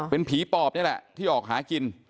เป็นผีปอบนี่แหละที่ออกหากิน